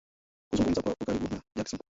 kuzungumza kwa ukaribu na Jackson